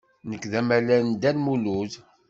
Nekk d amalal n Dda Lmulud.